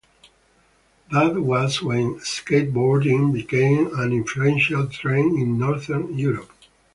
That was when skateboarding became an influential trend in Northern Europe.